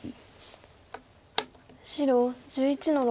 白１１の六。